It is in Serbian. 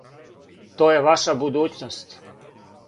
То је ваша будућност.